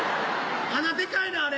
穴でかいなあれ。